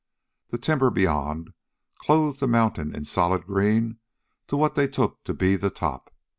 The timber beyond clothed the mountain in solid green to what they took to be the top.